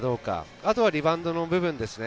あとはリバウンドの部分ですね。